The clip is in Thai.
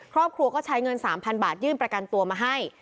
ครอบครัวก็ใช้เงิน๓๐๐บาทยื่นประกันตัวมาให้